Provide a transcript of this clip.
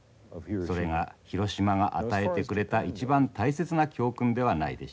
それが広島が与えてくれた一番大切な教訓ではないでしょうか。